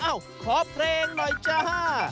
อ้าวขอเพลงหน่อยจ้า